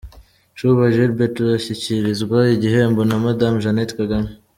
Chumba Gilbert ashyikirizwa igihembo na Madame Jeannette Kagame.